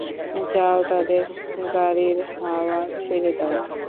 যাও তাদের গাড়ির হাওয়া ছেড়ে দাও।